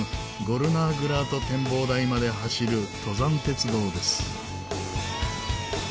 ゴルナーグラート展望台まで走る登山鉄道です。